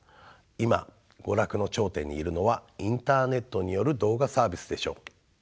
今娯楽の頂点にいるのはインターネットによる動画サービスでしょう。